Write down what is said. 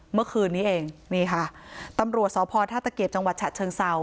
เมื่อคืนนี้เองนี่ค่ะตำรวจสพท่าตะเกียบจังหวัดฉะเชิงเศร้า